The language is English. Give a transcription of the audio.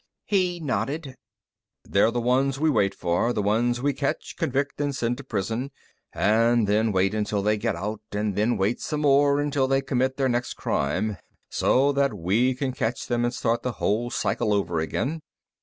He nodded. "They're the ones we wait for. The ones we catch, convict, and send to prison and then wait until they get out, and then wait some more until they commit their next crime, so that we can catch them and start the whole cycle over again."